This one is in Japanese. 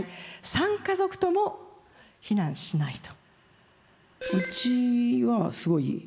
３家族とも避難しないと。